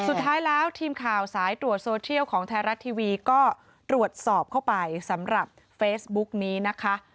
สุดท้ายแล้วทีมข่าวสายตรวจโซเทียลของไทยรัฐทีวีก็ตรวจสอบเข้าไปสำหรับเฟซบุ๊กนี้นะคะ